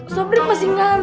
sobri masih nggak ketemu